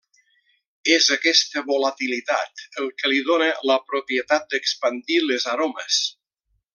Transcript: És aquesta volatilitat el que li dóna la propietat d'expandir les aromes.